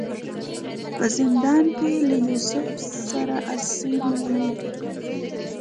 په زندان کې له یوسف سره اسیر یم.